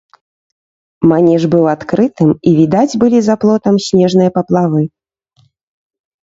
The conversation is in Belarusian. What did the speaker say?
Манеж быў адкрытым, і відаць былі за плотам снежныя паплавы.